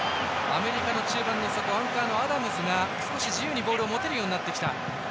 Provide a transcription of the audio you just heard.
アメリカの中盤の底アンカーのアダムズが自由にボールを持てるようになってきた。